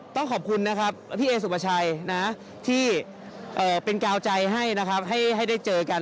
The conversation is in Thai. ต้องขอบคุณนะครับพี่เอสุภาชัยนะที่เป็นกาวใจให้นะครับให้ได้เจอกัน